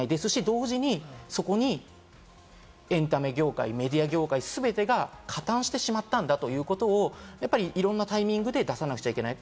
同時にそこにエンタメ業界、メディア業界全てが加担してしまったんだということをいろんなタイミングで出さなくちゃいけない。